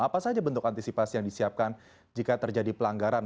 apa saja bentuk antisipasi yang disiapkan jika terjadi pelanggaran